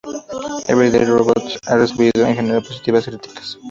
Everyday Robots ha recibido en general positivas críticas.